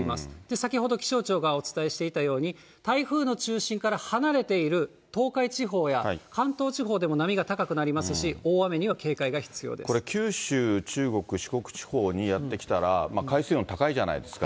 先ほど気象庁がお伝えしていたように、台風の中心から離れている東海地方や関東地方でも波が高くなりまこれ、九州、中国、四国地方にやって来たら、海水温高いじゃないですか。